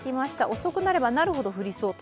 遅くなればなるほど降りそうと。